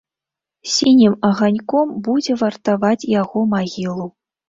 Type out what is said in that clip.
Сінім аганьком будзе вартаваць яго магілу.